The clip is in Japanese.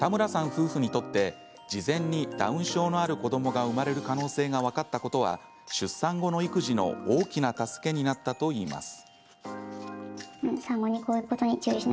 夫婦にとって事前にダウン症のある子どもが産まれる可能性が分かったことは出産後の育児の大きな助けになったといいます。